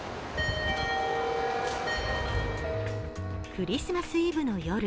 クリスマスイブの夜。